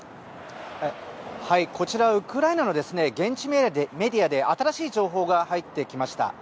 こちらウクライナの現地メディアで新しい情報が入ってきました。